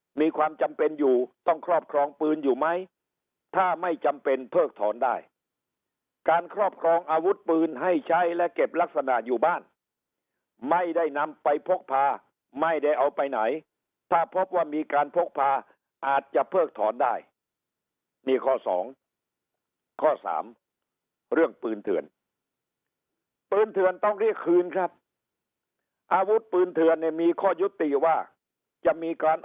มีความจำเป็นอยู่ต้องครอบครองปืนอยู่ไหมถ้าไม่จำเป็นเพิกถอนได้การครอบครองอาวุธปืนให้ใช้และเก็บลักษณะอยู่บ้านไม่ได้นำไปพกพาไม่ได้เอาไปไหนถ้าพบว่ามีการพกพาอาจจะเพิกถอนได้นี่ข้อสองข้อสามเรื่องปืนเถื่อนปืนเถื่อนต้องเรียกคืนครับอาวุธปืนเถื่อนเนี่ยมีข้อยุติว่าจะมีการ